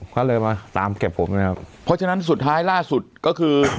ก็เลยมาตามเก็บผมนะครับเพราะฉะนั้นสุดท้ายล่าสุดก็คือ